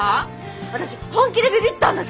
私本気でびびったんだけど。